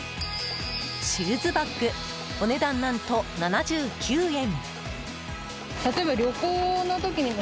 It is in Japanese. シューズバッグお値段、何と７９円！